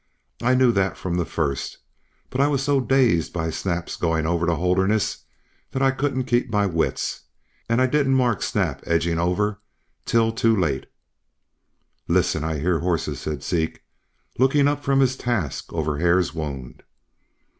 "I knew that from the first, but I was so dazed by Snap's going over to Holderness that I couldn't keep my wits, and I didn't mark Snap edging over till too late." "Listen, I hear horses," said Zeke, looking up from his task over Hare's wound.